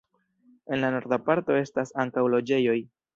En la norda parto estas ankaŭ loĝejoj.